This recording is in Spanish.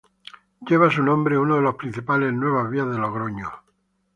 Lleva su nombre una de las principales nuevas vías de Logroño.